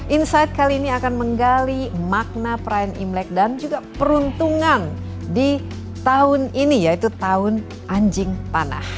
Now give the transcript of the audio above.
insight kali ini akan menggali makna perayaan imlek dan juga peruntungan di tahun ini yaitu tahun anjing tanah